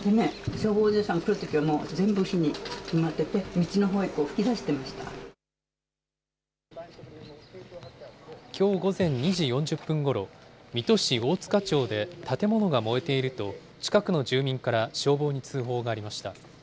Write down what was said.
消防士さん来るときにはもう全部火に埋まってて、きょう午前２時４０分ごろ、水戸市大塚町で建物が燃えていると近くの住民から消防に通報がありました。